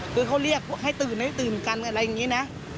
คือเขาเรียกให้ตื่นให้ตื่นกันอะไรอย่างนี้นะ